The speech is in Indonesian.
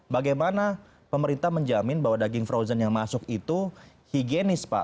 bagaimana pemerintah menjamin bahwa daging frozen yang masuk itu higienis pak